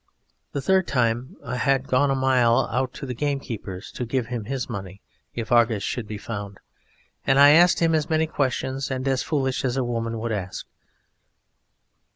The third time I had gone a mile out to the gamekeeper's to give him money if Argus should be found, and I asked him as many questions and as foolish as a woman would ask.